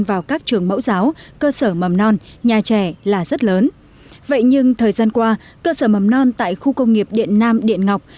vào các trường mẫu giáo cơ sở mầm non nhà trẻ là rất lớn vậy nhưng thời gian qua cơ sở mầm non tại khu công nghiệp điện nam điện ngọc